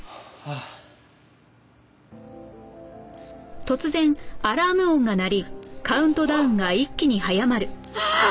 ああーっ！